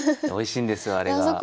おいしいんですよあれが。